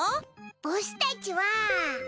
ボスたちは。